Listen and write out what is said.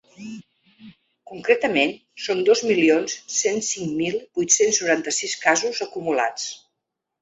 Concretament, són dos milions cent cinc mil vuit-cents noranta-sis casos acumulats.